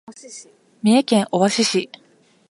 三重県尾鷲市